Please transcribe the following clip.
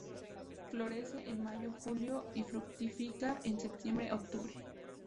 Florece en mayo-julio y fructifica en septiembre-octubre.